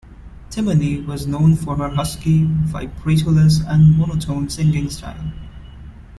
Timony was known for her husky, vibrato-less and monotone singing style.